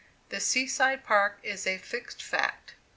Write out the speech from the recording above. The Sea side Park is a fixed fact.